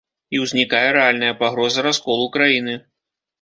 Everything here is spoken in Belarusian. І ўзнікае рэальная пагроза расколу краіны.